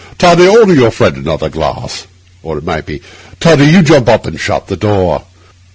Toddy, order your friend another glass.' Or it might be, 'Toddy, you jump up and shut the door.